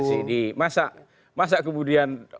masa kemudian orang dilarang larang untuk bicara